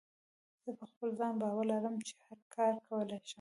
زه په خپل ځان باور لرم چې هر کار کولی شم.